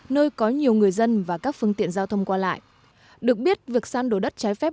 nơi có nhiều người dân và các phương tiện giao thông qua lại được biết việc san đồ đất trái phép